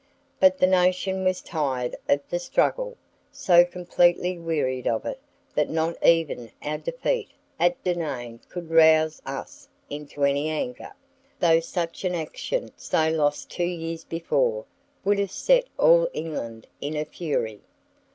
But the nation was tired of the struggle: so completely wearied of it that not even our defeat at Denain could rouse us into any anger, though such an action so lost two years before would have set all England in a fury.